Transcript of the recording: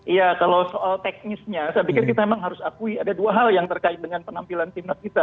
iya kalau soal teknisnya saya pikir kita memang harus akui ada dua hal yang terkait dengan penampilan timnas kita